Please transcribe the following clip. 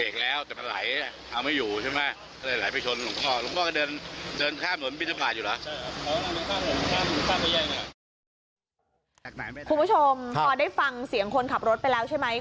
คุณผู้ชมพอได้ฟังเสียงคนขับรถไปแล้วใช่ไหม